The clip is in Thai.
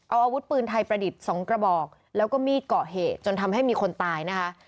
เอาอาวุธปืนไทยประดิษฐ์๒กระบอกแล้วก็มีดเกาะเหตุจนทำให้มีคนตายนะคะ